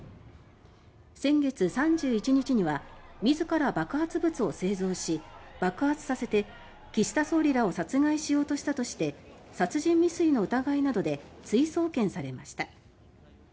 先月３１日には自ら爆発物を製造し爆発させて岸田総理らを殺害しようとしたとして殺人未遂の疑いなどで追送検されました。